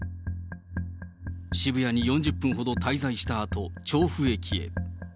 渋谷に４０分ほど滞在したあと、調布駅へ。